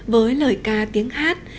với lời ca tiếng hát